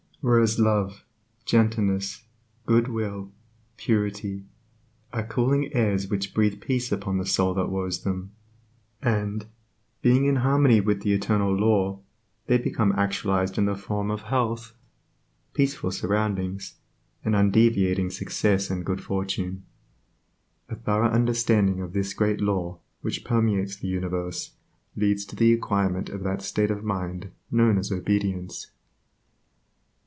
Whereas love, gentleness, good will, purity, are cooling airs which breathe peace upon the soul that woes them, and, being in harmony with the Eternal Law, they become actualized in the form of health, peaceful surroundings, and undeviating success and good fortune. A thorough understanding of this Great Law which permeates the universe leads to the acquirement of that state of mind known as obedience.